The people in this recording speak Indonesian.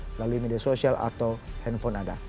melalui media sosial atau handphone anda